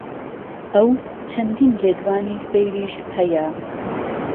ئهو چهندین لێدوانی سهیریش ههیه